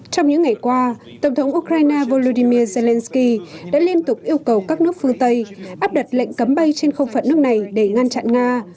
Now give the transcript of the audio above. trong những ngày qua tổng thống ukraine volodymyr zelensky đã liên tục yêu cầu các nước phương tây áp đặt lệnh cấm bay trên không phận nước này để ngăn chặn nga